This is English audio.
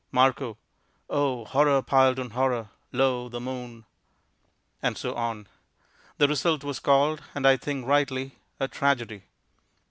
Mar. Oh, horror piled on horror! Lo, the moon And so on. The result was called and I think rightly "a tragedy."